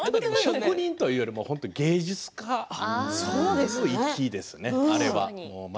職人というよりも芸術家の域ですよね、あれは。